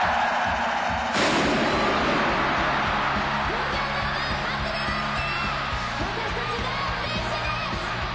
東京ドームはじめまして！